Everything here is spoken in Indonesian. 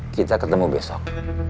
kita ketemu besok